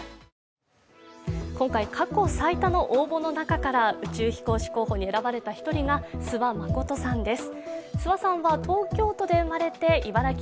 今回、過去最多の応募の中から宇宙飛行士候補に選ばれた１人が諏訪理さんです。